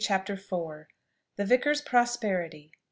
CHAPTER IV. THE VICAR'S PROSPERITY.